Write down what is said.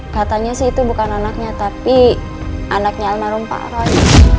katanya sih itu bukan anaknya tapi anaknya almarhum pak roy